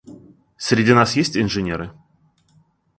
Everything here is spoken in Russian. Среди нас есть инженеры?